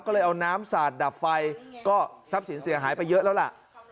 ก็เลยเอาน้ำสาดดับไฟก็ทรัพย์สินเสียหายไปเยอะแล้วล่ะ